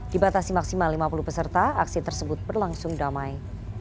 dibatasi maksimal lima puluh peserta aksi tersebut berlangsung damai